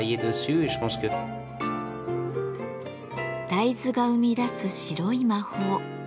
大豆が生み出す白い魔法。